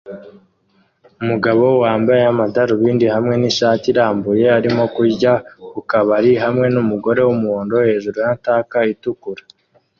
Umugabo wambaye amadarubindi hamwe nishati irambuye arimo kurya ku kabari hamwe n’umugore w’umuhondo hejuru ya tank itukura